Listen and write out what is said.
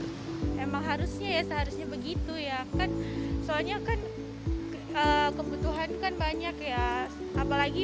memang harusnya ya seharusnya begitu ya kan soalnya kan kebutuhan kan banyak ya apalagi